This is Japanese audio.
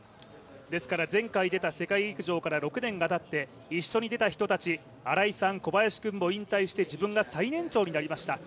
ですから前回出た世界陸上から６年がたって一緒に出た人たち、荒井さん、小林君も引退をして自分が最年長にならいました。